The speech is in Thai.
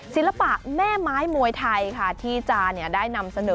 ศิลปะแม่ไม้มวยไทยค่ะที่จะได้นำเสนอ